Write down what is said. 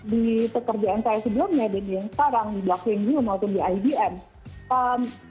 di pekerjaan saya sebelumnya dari yang sekarang di black wind di umh atau di ibm